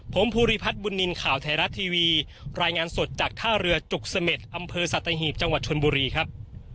ผมภูริพัฒน์บุญนินทร์ข่าวไทยรัฐทีวีรายงานสดจากท่าเรือจุกเสม็ดอำเภอสัตหีบจังหวัดชนบุรีครับ